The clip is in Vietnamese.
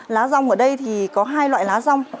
lá rong ở đây thì có hai loại lá rong